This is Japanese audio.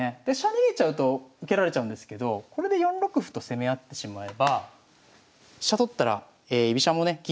で飛車逃げちゃうと受けられちゃうんですけどこれで４六歩と攻め合ってしまえば飛車取ったら居飛車もね